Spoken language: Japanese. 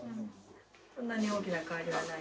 そんなに大きな変わりはない？